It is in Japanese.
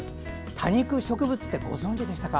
多肉植物ってご存じでしたか？